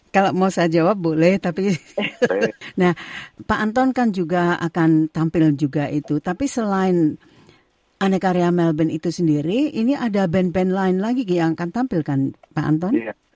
kalau mau saya jawab boleh tapi pak anton kan juga akan tampil juga itu tapi selain aneka rea melbourne itu sendiri ini ada band band lain lagi yang akan tampilkan pak anton